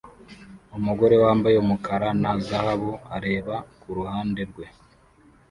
Umugore wambaye umukara na zahabu areba kuruhande rwe